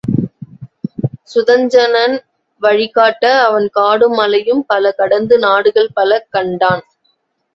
சுதஞ்சணன் வழிகாட்ட அவன் காடும் மலையும் பல கடந்து நாடுகள் பல கண்டான்.